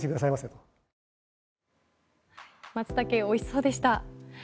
マツタケおいしそうでした。